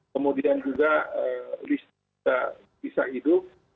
kemudian juga listrik bisa hidup